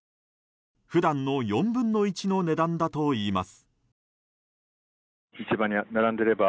普段の４分の１の値段だといいます。